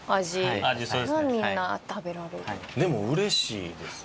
でも嬉しいですね。